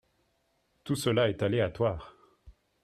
Tout cela est aléatoire.